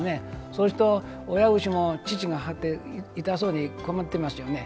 そうすると、親牛も乳が張って痛そうにしてますよね。